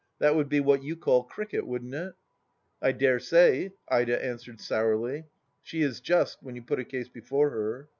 That would be what you call cricket, wouldn't it ?"" I dare say," Ida answered sourly. She is just, when you put a case before her.